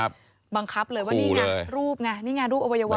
บังคับเลยว่านี่ไงรูปไงนี่ไงรูปอวัยวะ